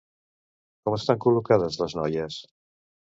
Com estan col·locades les noies?